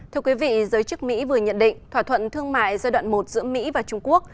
thưa quý vị giới chức mỹ vừa nhận định thỏa thuận thương mại giai đoạn một giữa mỹ và trung quốc